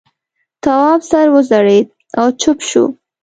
تواب سر وځړېد او چوپ شو.